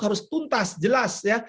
harus tuntas jelas ya